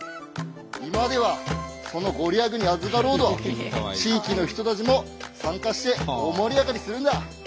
今ではその御利益にあずかろうと地域の人たちも参加して大盛り上がりするんだ。